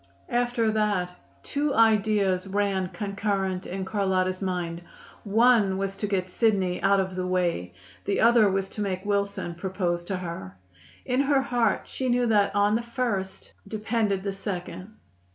After that two ideas ran concurrent in Carlotta's mind: one was to get Sidney out of the way, the other was to make Wilson propose to her. In her heart she knew that on the first depended the second.